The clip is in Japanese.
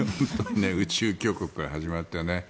宇宙強国から始まってね。